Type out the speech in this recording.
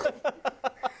ハハハハ！